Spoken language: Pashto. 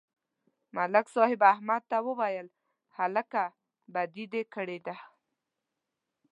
ملک صاحب احمد ته وویل: هلکه، بدي دې کړې ده.